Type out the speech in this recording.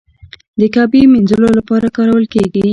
د کعبې مینځلو لپاره کارول کیږي.